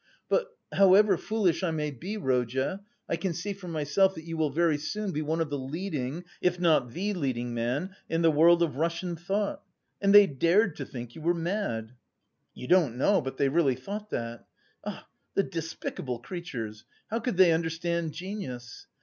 "But, however foolish I may be, Rodya, I can see for myself that you will very soon be one of the leading if not the leading man in the world of Russian thought. And they dared to think you were mad! You don't know, but they really thought that. Ah, the despicable creatures, how could they understand genius!